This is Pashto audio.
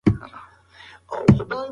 د دعا لپاره پاکه مړۍ او پاک زړه پکار دی.